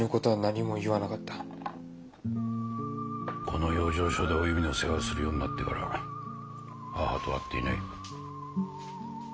この養生所でおゆみの世話をするようになってから母と会っていない。